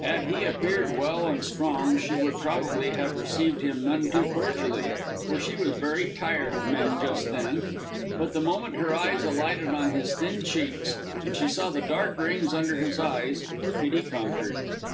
Had he appeared well and strong she would probably have received him none too cordially for she was very tired of men just then; but the moment her eyes alighted on his thin cheeks and she saw the dark rings under his eyes, pity conquered.